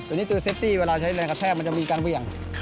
ตัวนี้ตัวเซฟตี้เวลาใช้แรงกระแทกมันจะมีการเหวี่ยง